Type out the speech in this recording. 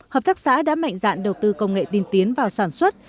hợp tác xã đã mạnh dạn đầu tư công nghệ tiên tiến vào sản xuất